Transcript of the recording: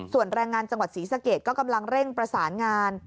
ส่วนแรงงานจังหวัดศรีสะเกดก็กำลังเร่งประสานงาน